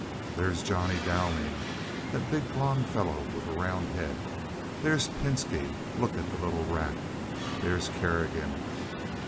"There's Johnnie Dowling, that big blond fellow with the round head; there's Pinski—look at the little rat; there's Kerrigan.